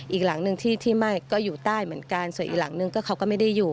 อีกหลังหนึ่งที่ที่ไหม้ก็อยู่ใต้เหมือนกันส่วนอีกหลังนึงก็เขาก็ไม่ได้อยู่